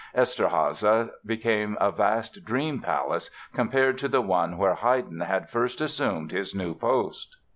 Eszterháza became a vast dream palace compared to the one where Haydn had first assumed his new post.